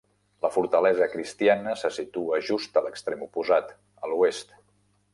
La fortalesa cristiana se situa just a l'extrem oposat, a l'oest.